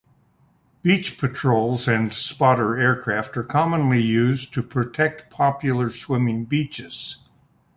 Beach patrols and spotter aircraft are commonly used to protect popular swimming beaches.